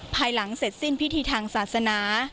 ภายหลังเสร็จสิ้นพิธีทางศาสนา